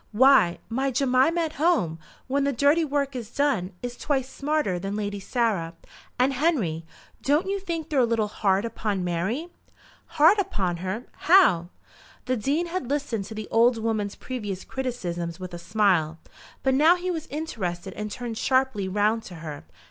"Why, my Jemima at home, when the dirty work is done, is twice smarter than Lady Sarah. And, Henry, don't you think they're a little hard upon Mary?" "Hard upon her; how?" The Dean had listened to the old woman's previous criticisms with a smile; but now he was interested and turned sharply round to her.